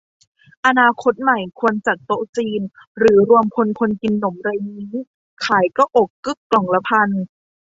อนาคตใหม่ควรจัดโต๊ะจีน หรือรวมพลคนกินหนมไรงี้ ขายก็อกกึ้กล่องละพัน